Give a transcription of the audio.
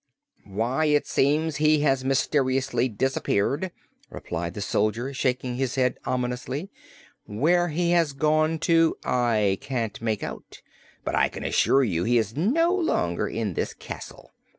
"Why, it seems he has mysteriously disappeared," replied the soldier, shaking his head ominously. "Where he has gone to, I can't make out, but I can assure you he is no longer in this castle.